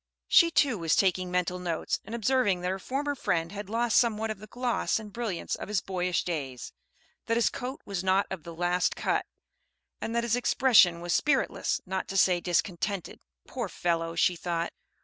She too was taking mental notes, and observing that her former friend had lost somewhat of the gloss and brilliance of his boyish days; that his coat was not of the last cut; and that his expression was spiritless, not to say discontented. "Poor fellow!" she thought.